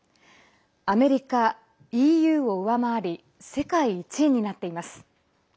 アメリカ、ＥＵを上回り世界１位になっています。